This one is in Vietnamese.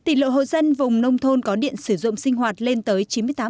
tỷ lộ hộ dân vùng nông thôn có điện sử dụng sinh hoạt lên tới chín mươi tám bốn